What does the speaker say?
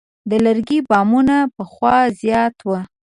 د لرګي بامونه پخوا زیات وو.